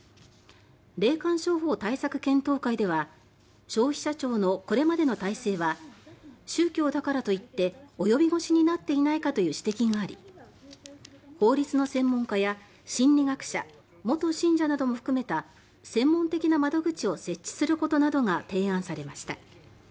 霊感商法対策検討会では消費者庁のこれまでの体制は「宗教だからと言って及び腰になっていないか」という指摘があり法律の専門家や心理学者元信者なども含めた専門的な窓口を設置することなどが提案されました。